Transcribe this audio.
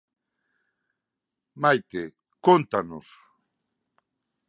Maite, cóntanos...